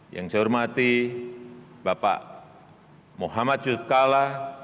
yang saya hormati bapak muhammad yusuf kalla